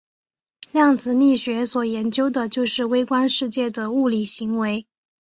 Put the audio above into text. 量子力学所研究的就是微观世界的物理行为。